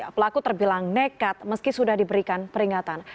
pelaku terbilang nekat meski sudah diberikan peringatan